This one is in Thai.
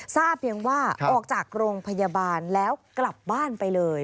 ทราบเพียงว่าออกจากโรงพยาบาลแล้วกลับบ้านไปเลย